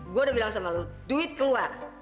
gue udah bilang sama lo duit keluar